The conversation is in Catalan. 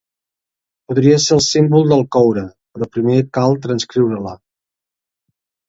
Podria ser el símbol del coure, però primer cal transcriure-la.